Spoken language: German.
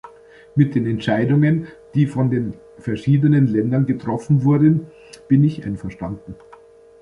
Mit den Entscheidungen, die von den verschiedenen Ländern getroffen wurden, bin ich einverstanden.